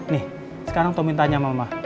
nih sekarang tommy tanya mama